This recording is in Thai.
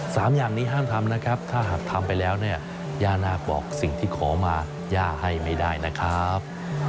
สามอย่างนี้ห้ามทำนะครับถ้าหากทำไปแล้วเนี่ยย่านาคบอกสิ่งที่ขอมาย่าให้ไม่ได้นะครับ